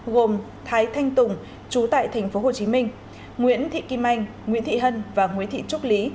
gồm thái thanh tùng chú tại tp hcm nguyễn thị kim anh nguyễn thị hân và nguyễn thị trúc lý